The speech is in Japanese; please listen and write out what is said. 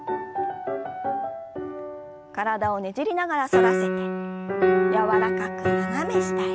体をねじりながら反らせて柔らかく斜め下へ。